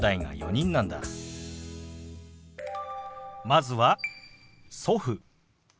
まずは「祖父」。